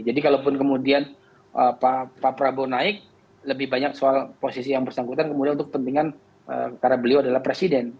jadi kalaupun kemudian pak prabowo naik lebih banyak soal posisi yang bersangkutan kemudian untuk kepentingan karena beliau adalah presiden